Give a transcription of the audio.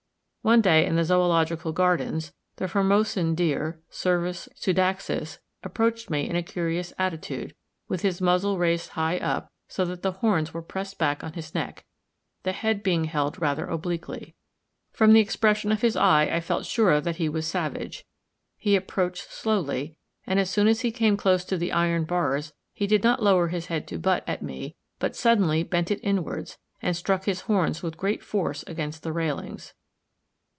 One day in the Zoological Gardens, the Formosan deer (Cervus pseudaxis) approached me in a curious attitude, with his muzzle raised high up, so that the horns were pressed back on his neck; the head being held rather obliquely. From the expression of his eye I felt sure that he was savage; he approached slowly, and as soon as he came close to the iron bars, he did not lower his head to butt at me, but suddenly bent it inwards, and struck his horns with great force against the railings.